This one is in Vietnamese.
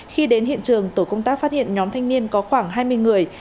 khi đến hiện trường tổ công tác phát hiện nhóm thanh niên có khoảng hai mươi người